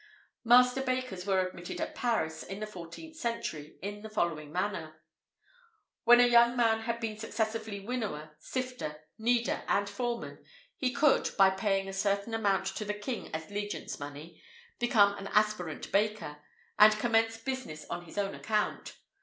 [IV 79] Master bakers were admitted at Paris, in the 14th century, in the following manner: When a young man had been successively winnower, sifter, kneader, and foreman, he could, by paying a certain amount to the king as legiance money, become an aspirant baker, and commence business on his own account.